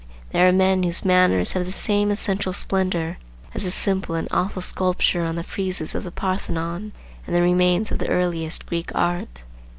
There are men whose manners have the same essential splendor as the simple and awful sculpture on the friezes of the Parthenon and the remains of the earliest Greek art.